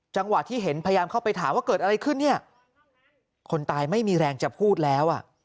จังหวะที่เห็นพยายามเข้าไปถามว่าเกิดอะไรขึ้นเนี่ยคนตายไม่มีแรงจะพูดแล้วอ่ะ